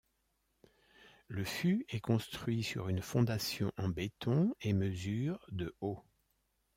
Le fût est construit sur une fondation en béton et mesure de haut.